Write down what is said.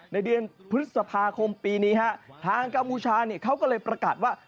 ในเดือนพฤษภาคมปีนี้ฮะทางกัมพูชาเขาก็เลยประกาศว่า